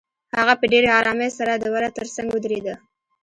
هغه په ډېرې آرامۍ سره د وره تر څنګ ودرېده.